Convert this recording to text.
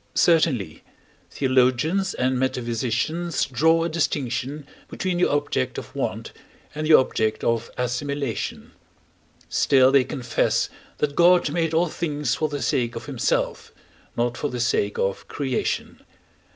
Certainly, theologians and metaphysicians draw a distinction between the object of want and the object of assimilation; still they confess that God made all things for the sake of himself, not for the sake of creation.